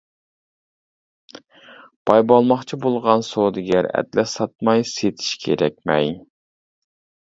باي بولماقچى بولغان سودىگەر ئەتلەس ساتماي سېتىش كېرەك مەي.